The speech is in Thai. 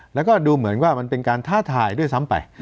แล้วก็ดูเหมือนว่ามันเป็นการท้าทายด้วยซ้ำไป